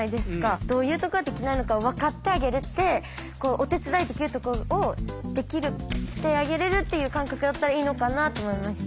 どういうとこができないのか分かってあげれてお手伝いできるところをしてあげれるっていう感覚だったらいいのかなと思いました。